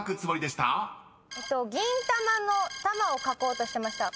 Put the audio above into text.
「銀たま」の「たま」を書こうとしてました。